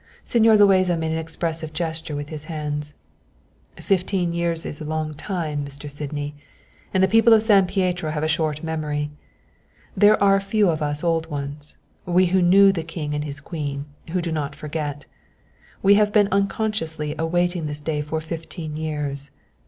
Señor Luazo made an expressive gesture with his hands. "Fifteen years is a long time, Mr. Sydney, and the people of San Pietro have a short memory. There are a few of us old ones, we who knew the king and his queen, who do not forget. We have been unconsciously awaiting this day for fifteen years.